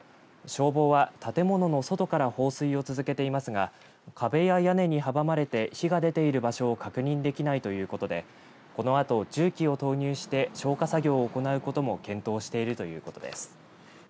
消防は建物の外から放水を続けていますが壁や屋根に阻まれて火が出ている場所を確認できないということでこのあと重機を投入して消火作業を行うことも検討しているということです。